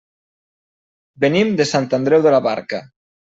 Venim de Sant Andreu de la Barca.